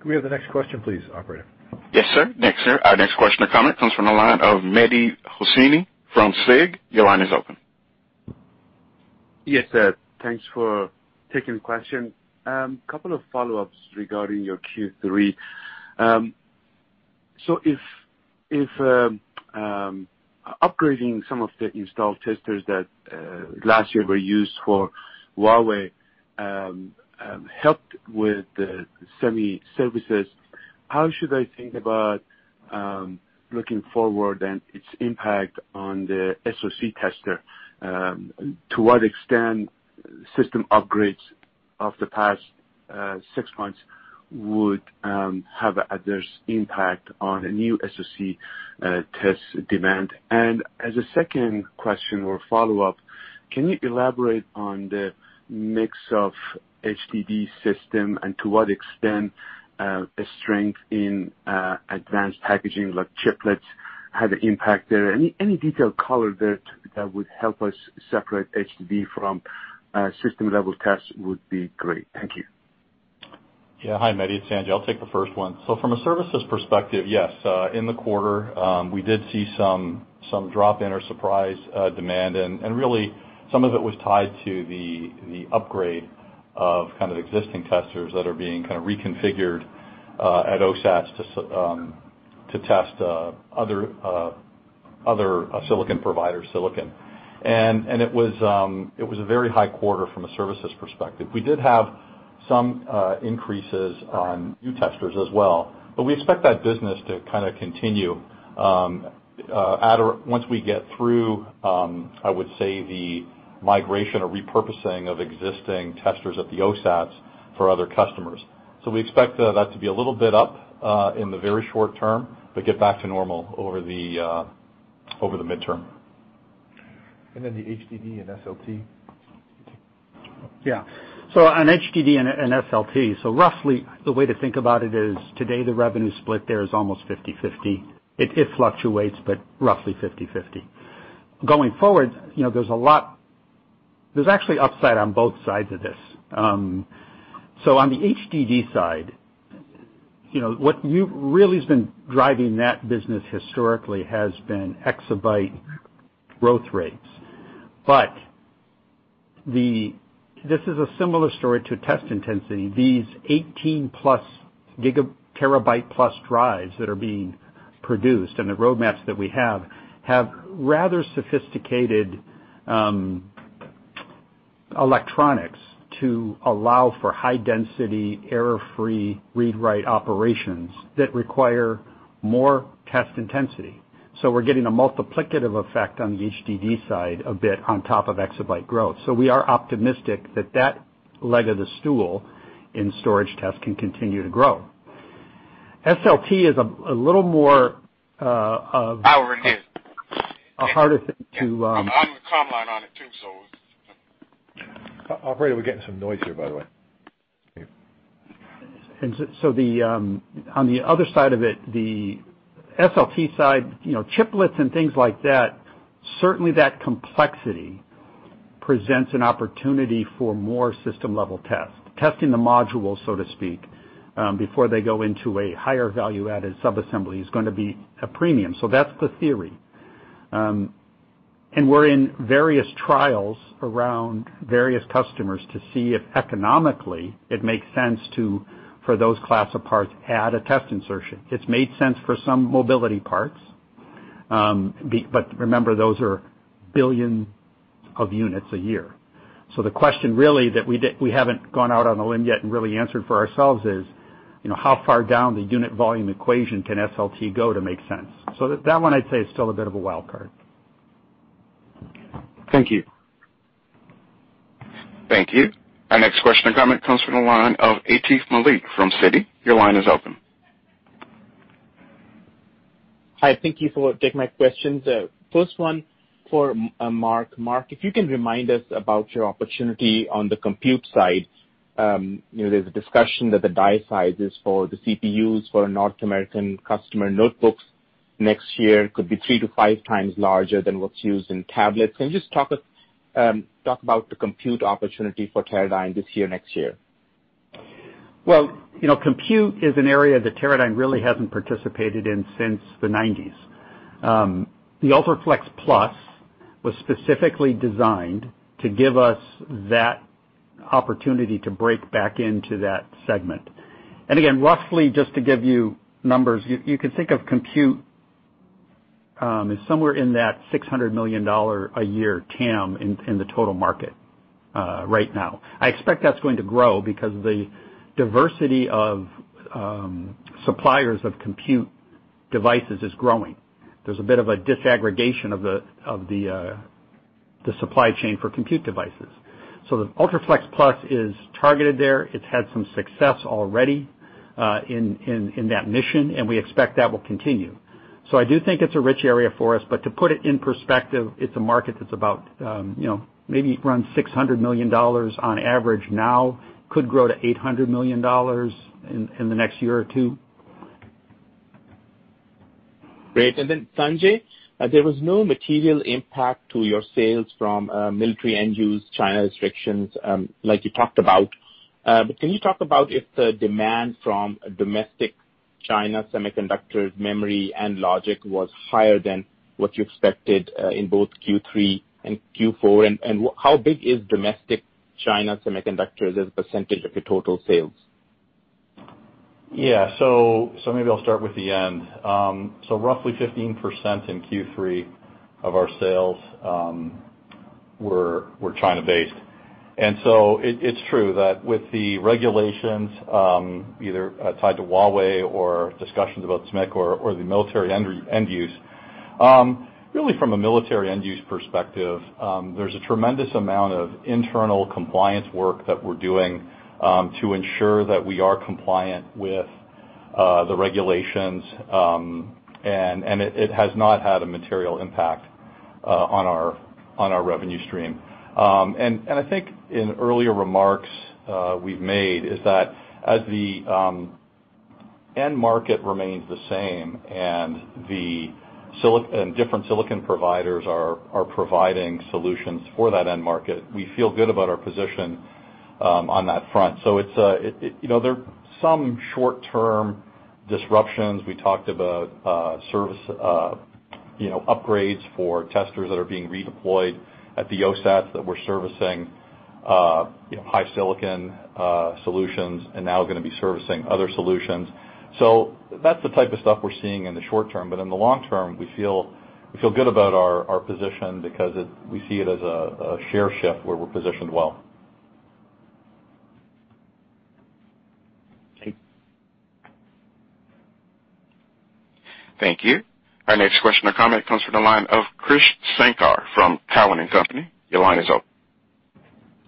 Can we have the next question please, operator? Yes, sir. Next, sir. Our next question or comment comes from the line of Mehdi Hosseini from SIG. Your line is open. Yes, sir. Thanks for taking the question. Couple of follow-ups regarding your Q3. If upgrading some of the installed testers that last year were used for Huawei helped with the semi services, how should I think about looking forward and its impact on the SoC tester? To what extent system upgrades of the past six months would have adverse impact on a new SoC test demand? As a second question or follow-up, can you elaborate on the mix of HDD system and to what extent a strength in advanced packaging like chiplets had an impact there? Any detailed color there that would help us separate HDD from system-level tests would be great. Thank you. Hi, Mehdi. It's Sanjay. I'll take the first one. From a services perspective, yes. In the quarter, we did see some drop in or surprise demand, really some of it was tied to the upgrade of kind of existing testers that are being kind of reconfigured, at OSATs to test other silicon provider's silicon. It was a very high quarter from a services perspective. We did have some increases on new testers as well, we expect that business to kind of continue, once we get through, I would say, the migration or repurposing of existing testers at the OSATs for other customers. We expect that to be a little bit up, in the very short term, get back to normal over the midterm. The HDD and SLT. Yeah. On HDD and SLT, roughly the way to think about it is today the revenue split there is almost 50/50. It fluctuates, but roughly 50/50. Going forward, there's actually upside on both sides of this. On the HDD side, what really has been driving that business historically has been exabyte growth rates. This is a similar story to test intensity. These 18 plus terabyte plus drives that are being produced and the roadmaps that we have rather sophisticated electronics to allow for high density, error-free read/write operations that require more test intensity. We're getting a multiplicative effect on the HDD side a bit on top of exabyte growth. SLT is a harder thing to. Operator, we're getting some noise here, by the way. On the other side of it, the SLT side, chiplets and things like that, certainly that complexity presents an opportunity for more system-level test. Testing the module, so to speak, before they go into a higher value-added subassembly is going to be a premium. That's the theory. We're in various trials around various customers to see if economically it makes sense to, for those class of parts, add a test insertion. It's made sense for some mobility parts, but remember, those are billion of units a year. The question really that we haven't gone out on a limb yet and really answered for ourselves is, how far down the unit volume equation can SLT go to make sense? That one I'd say is still a bit of a wild card. Thank you. Thank you. Our next question and comment comes from the line of Atif Malik from Citi. Your line is open. Hi, thank you for taking my questions. First one for Mark. Mark, if you can remind us about your opportunity on the compute side. There's a discussion that the die sizes for the CPUs for North American customer notebooks next year could be three to five times larger than what's used in tablets. Can you just talk about the compute opportunity for Teradyne this year, next year? Compute is an area that Teradyne really hasn't participated in since the '90s. The UltraFLEXplus was specifically designed to give us that opportunity to break back into that segment. Roughly just to give you numbers, you could think of compute, is somewhere in that $600 million a year TAM in the total market right now. I expect that's going to grow because the diversity of suppliers of compute devices is growing. There's a bit of a disaggregation of the supply chain for compute devices. The UltraFLEXplus is targeted there. It's had some success already in that mission, and we expect that will continue. I do think it's a rich area for us, but to put it in perspective, it's a market that's about maybe around $600 million on average now, could grow to $800 million in the next year or two. Great. Sanjay, there was no material impact to your sales from military end use China restrictions, like you talked about. Can you talk about if the demand from domestic China semiconductor memory and logic was higher than what you expected, in both Q3 and Q4? How big is domestic China semiconductors as a percentage of your total sales? Yeah. Maybe I'll start with the end. Roughly 15% in Q3 of our sales were China-based. It's true that with the regulations, either tied to Huawei or discussions about SMIC or the military end use. Really from a military end use perspective, there's a tremendous amount of internal compliance work that we're doing, to ensure that we are compliant with the regulations, and it has not had a material impact on our revenue stream. I think in earlier remarks we've made, is that as the end market remains the same and different silicon providers are providing solutions for that end market, we feel good about our position on that front. There are some short-term disruptions. We talked about service Upgrades for testers that are being redeployed at the OSATs that we're servicing HiSilicon solutions and now are going to be servicing other solutions. That's the type of stuff we're seeing in the short term, but in the long term, we feel good about our position because we see it as a share shift where we're positioned well. Thank you. Our next question or comment comes from the line of Krish Sankar from Cowen and Company. Your line is open.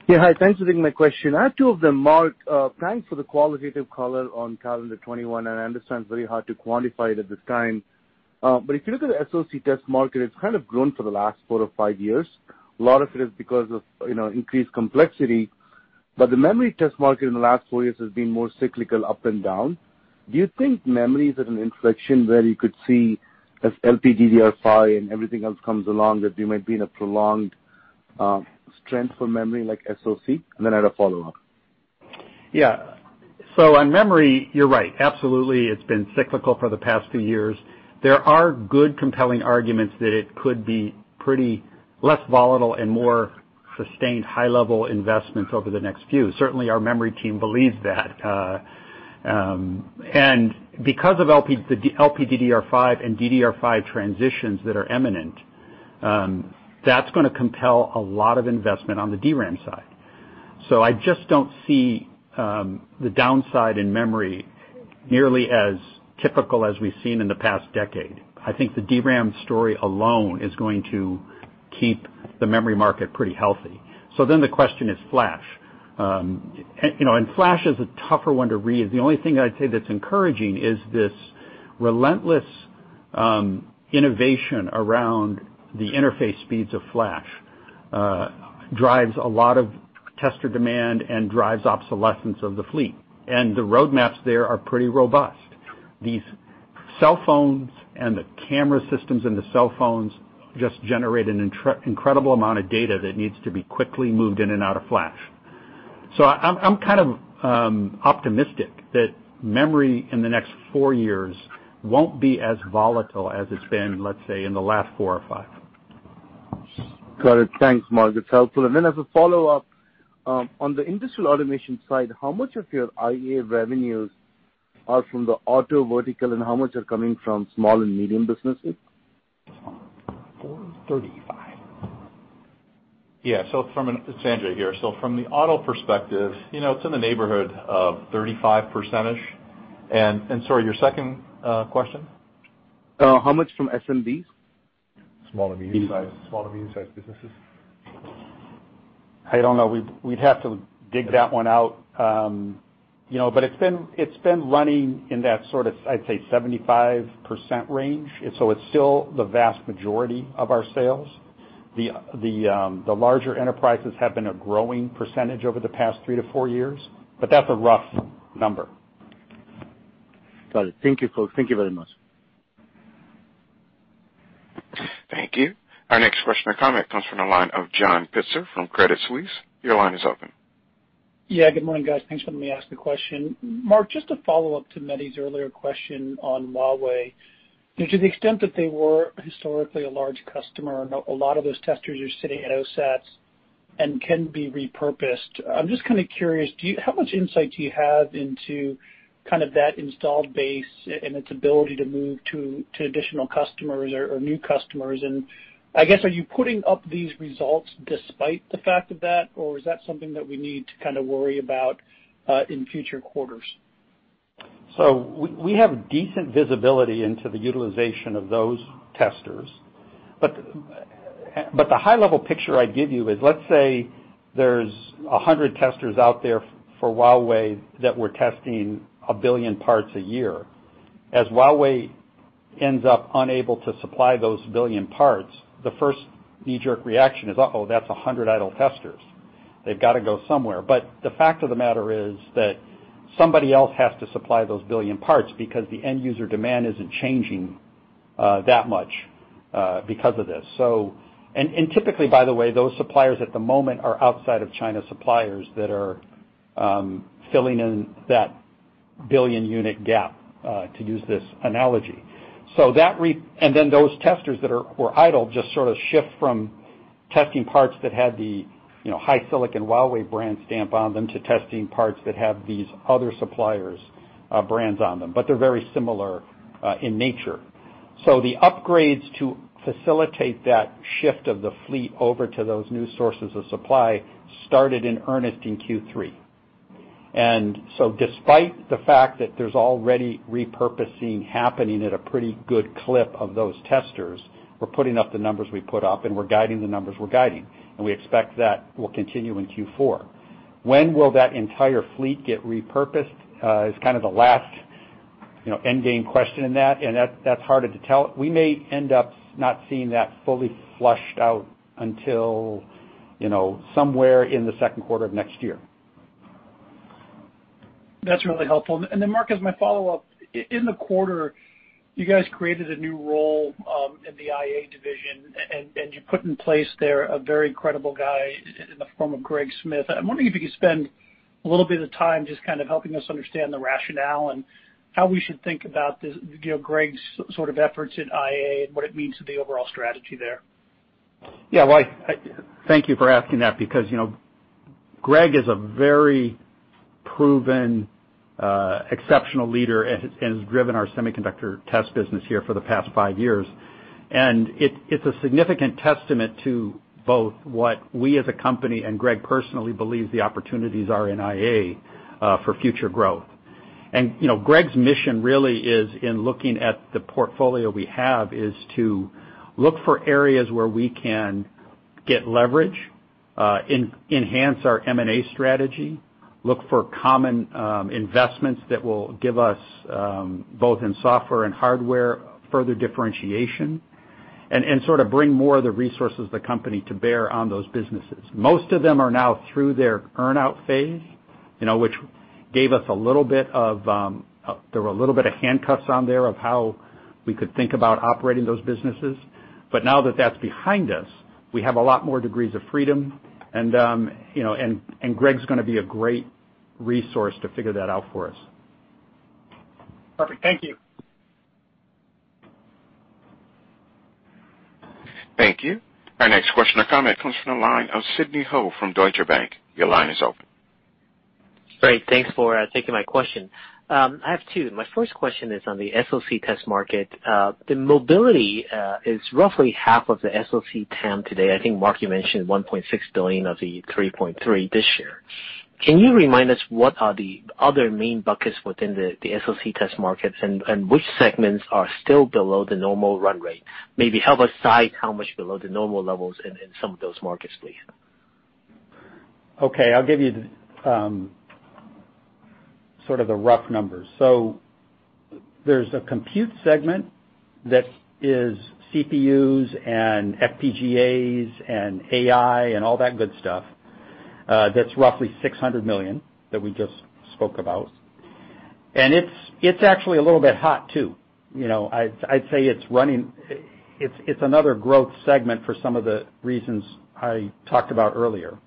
Hi. Thanks for taking my question. I have two of them, Mark. Thanks for the qualitative color on calendar 2021. I understand it's very hard to quantify it at this time. If you look at the SoC test market, it's kind of grown for the last four to five years. A lot of it is because of increased complexity, but the memory test market in the last four years has been more cyclical up and down. Do you think memory is at an inflection where you could see as LPDDR5 and everything else comes along, that we might be in a prolonged strength for memory like SoC? I had a follow-up. On memory, you're right. Absolutely, it's been cyclical for the past few years. There are good, compelling arguments that it could be pretty less volatile and more sustained high-level investments over the next few. Certainly, our memory team believes that. Because of the LPDDR5 and DDR5 transitions that are imminent, that's going to compel a lot of investment on the DRAM side. I just don't see the downside in memory nearly as typical as we've seen in the past decade. I think the DRAM story alone is going to keep the memory market pretty healthy. The question is flash. Flash is a tougher one to read. The only thing I'd say that's encouraging is this relentless innovation around the interface speeds of flash drives a lot of tester demand and drives obsolescence of the fleet. The roadmaps there are pretty robust. These cell phones and the camera systems in the cell phones just generate an incredible amount of data that needs to be quickly moved in and out of flash. I'm kind of optimistic that memory in the next four years won't be as volatile as it's been, let's say, in the last four or five. Got it. Thanks, Mark. That's helpful. As a follow-up, on the industrial automation side, how much of your IA revenues are from the auto vertical and how much are coming from small and medium businesses? Yeah. It's Sanjay here. From the auto perspective, it's in the neighborhood of 35%-ish. Sorry, your second question? How much from SMBs? Small and medium-sized businesses. I don't know. We'd have to dig that one out. It's been running in that sort of, I'd say, 75% range. It's still the vast majority of our sales. The larger enterprises have been a growing percentage over the past 3-4 years, but that's a rough number. Got it. Thank you folks. Thank you very much. Thank you. Our next question or comment comes from the line of John Pitzer from Credit Suisse. Your line is open. Yeah. Good morning, guys. Thanks for letting me ask the question. Mark, just a follow-up to Mehdi's earlier question on Huawei. To the extent that they were historically a large customer, and a lot of those testers are sitting at OSATs and can be repurposed, I'm just kind of curious, how much insight do you have into that installed base and its ability to move to additional customers or new customers? I guess, are you putting up these results despite the fact of that, or is that something that we need to kind of worry about in future quarters? We have decent visibility into the utilization of those testers, but the high-level picture I'd give you is, let's say there's 100 testers out there for Huawei that we're testing a billion parts a year. As Huawei ends up unable to supply those billion parts, the first knee-jerk reaction is, that's 100 idle testers. They've got to go somewhere. The fact of the matter is that somebody else has to supply those billion parts because the end-user demand isn't changing that much because of this. Typically, by the way, those suppliers at the moment are outside-of-China suppliers that are filling in that billion-unit gap, to use this analogy. Those testers that were idle just sort of shift from testing parts that had the HiSilicon Huawei brand stamp on them to testing parts that have these other suppliers' brands on them. They're very similar in nature. The upgrades to facilitate that shift of the fleet over to those new sources of supply started in earnest in Q3. Despite the fact that there's already repurposing happening at a pretty good clip of those testers, we're putting up the numbers we put up, and we're guiding the numbers we're guiding, and we expect that will continue in Q4. When will that entire fleet get repurposed is kind of the last end-game question in that, and that's harder to tell. We may end up not seeing that fully flushed out until somewhere in the second quarter of next year. That's really helpful. Then Mark, as my follow-up, in the quarter, you guys created a new role in the IA division, and you put in place there a very credible guy in the form of Greg Smith. I'm wondering if you could spend a little bit of time just kind of helping us understand the rationale and how we should think about Greg's sort of efforts in IA and what it means to the overall strategy there. Yeah. Thank you for asking that because Greg is a very proven, exceptional leader and has driven our Semiconductor Test business here for the past five years. It's a significant testament to both what we as a company and Greg personally believe the opportunities are in IA for future growth. Greg's mission really is in looking at the portfolio we have is to look for areas where we can get leverage, enhance our M&A strategy, look for common investments that will give us, both in software and hardware, further differentiation, and sort of bring more of the resources of the company to bear on those businesses. Most of them are now through their earn-out phase. There were a little bit of handcuffs on there of how we could think about operating those businesses. Now that that's behind us, we have a lot more degrees of freedom, and Greg's going to be a great resource to figure that out for us. Perfect. Thank you. Thank you. Our next question or comment comes from the line of Sidney Ho from Deutsche Bank. Your line is open. Great. Thanks for taking my question. I have two. My first question is on the SoC test market. The mobility is roughly half of the SoC TAM today. I think, Mark, you mentioned $1.6 billion of the $3.3 billion this year. Can you remind us what are the other main buckets within the SoC test markets, and which segments are still below the normal run rate? Maybe help us cite how much below the normal levels in some of those markets, please. Okay, I'll give you sort of the rough numbers. There's a compute segment that is CPUs and FPGAs and AI and all that good stuff, that's roughly $600 million that we just spoke about. It's actually a little bit hot, too. I'd say it's another growth segment for some of the reasons I talked about earlier.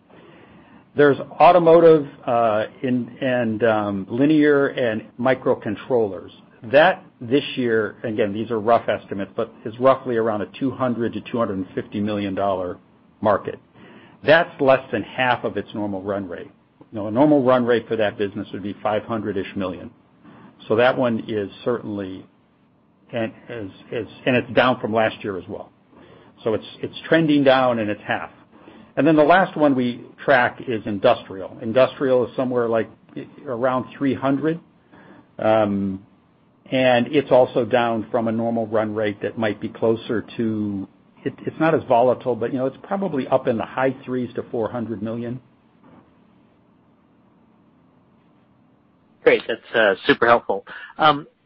There's automotive and linear and microcontrollers. That, this year, again, these are rough estimates, but is roughly around a $200 million-$250 million market. That's less than half of its normal run rate. A normal run rate for that business would be $500 million. That one is certainly down from last year as well. It's trending down, and it's half. The last one we track is industrial. Industrial is somewhere around $300, and it's also down from a normal run rate. It's not as volatile, but it's probably up in the high threes to $400 million. Great. That's super helpful.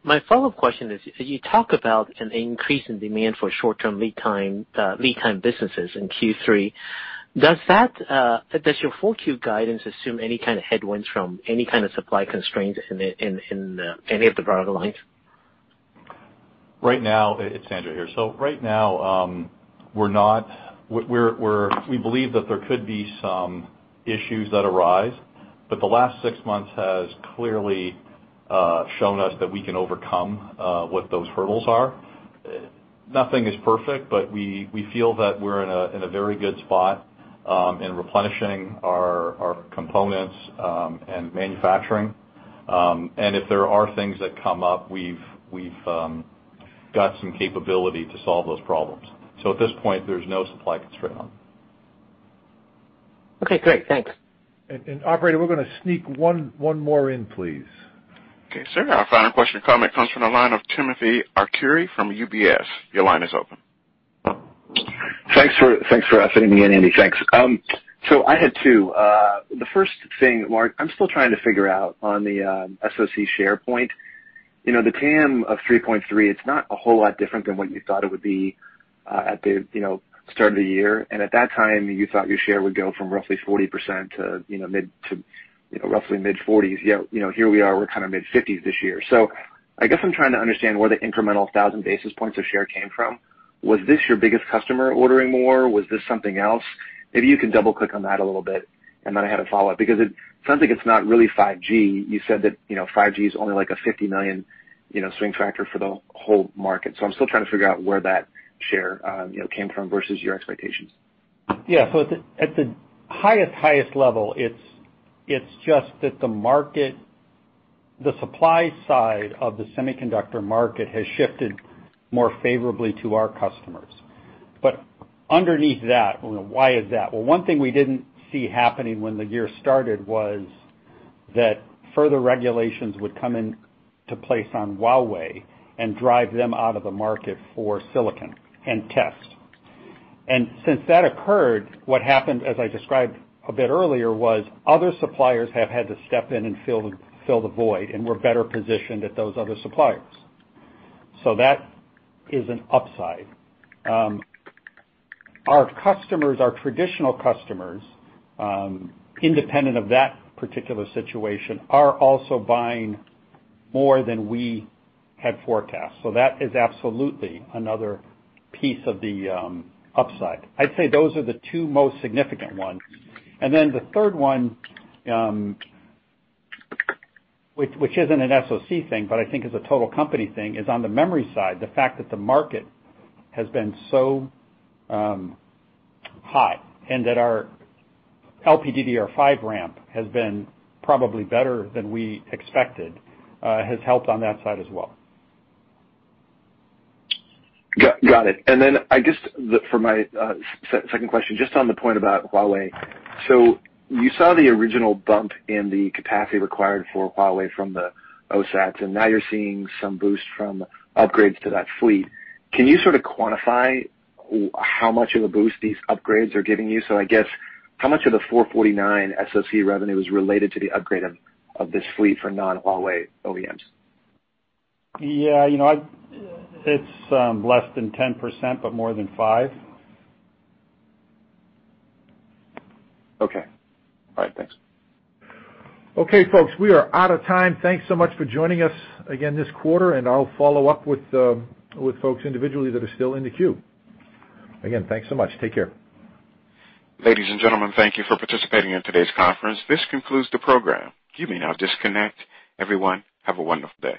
My follow-up question is, you talk about an increase in demand for short-term lead time businesses in Q3. Does your full Q guidance assume any kind of headwinds from any kind of supply constraints in any of the product lines? Right now, it's Sanjay here. Right now, we believe that there could be some issues that arise, but the last six months has clearly shown us that we can overcome what those hurdles are. Nothing is perfect, but we feel that we're in a very good spot in replenishing our components and manufacturing. If there are things that come up, we've got some capability to solve those problems. At this point, there's no supply constraint on them. Okay, great. Thanks. Operator, we're going to sneak one more in, please. Okay, sir. Our final question or comment comes from the line of Timothy Arcuri from UBS. Your line is open. Thanks for fitting me in. Thanks. I had two. The first thing, Mark, I'm still trying to figure out on the SoC share point. The TAM of 3.3, it's not a whole lot different than what you thought it would be at the start of the year. At that time, you thought your share would go from roughly 40% to roughly mid-40s. Yet, here we are, we're kind of mid-50s this year. I guess I'm trying to understand where the incremental 1,000 basis points of share came from. Was this your biggest customer ordering more? Was this something else? Maybe you can double-click on that a little bit, and then I had a follow-up because it sounds like it's not really 5G. You said that 5G is only like a $50 million swing factor for the whole market. I'm still trying to figure out where that share came from versus your expectations. Yeah. At the highest level, it's just that the supply side of the semiconductor market has shifted more favorably to our customers. Underneath that, why is that? Well, one thing we didn't see happening when the year started was that further regulations would come into place on Huawei and drive them out of the market for silicon and test. Since that occurred, what happened, as I described a bit earlier, was other suppliers have had to step in and fill the void, and we're better positioned at those other suppliers. That is an upside. Our traditional customers, independent of that particular situation, are also buying more than we had forecast. That is absolutely another piece of the upside. I'd say those are the two most significant ones. The third one, which isn't an SoC thing, but I think is a total company thing, is on the memory side, the fact that the market has been so high and that our LPDDR5 ramp has been probably better than we expected has helped on that side as well. Got it. I guess for my second question, just on the point about Huawei. You saw the original bump in the capacity required for Huawei from the OSATs, and now you're seeing some boost from upgrades to that fleet. Can you sort of quantify how much of a boost these upgrades are giving you? I guess how much of the 449 SoC revenue is related to the upgrade of this fleet for non-Huawei OEMs? Yeah. It's less than 10%, but more than five. Okay. All right. Thanks. Okay, folks. We are out of time. Thanks so much for joining us again this quarter. I'll follow up with folks individually that are still in the queue. Again, thanks so much. Take care. Ladies and gentlemen, thank you for participating in today's conference. This concludes the program. You may now disconnect. Everyone, have a wonderful day.